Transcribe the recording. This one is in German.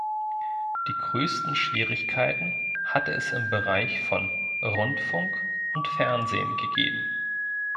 Die größten Schwierigkeiten hatte es im Bereich von Rundfunk und Fernsehen gegeben.